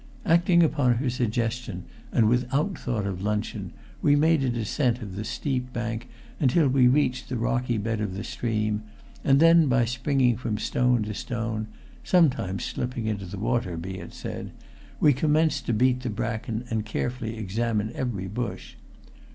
Acting upon her suggestion and without thought of luncheon, we made a descent of the steep bank until we reached the rocky bed of the stream, and then by springing from stone to stone sometimes slipping into the water, be it said we commenced to beat the bracken and carefully examine every bush.